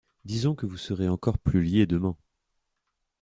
Disons que vous serez encore plus liée demain.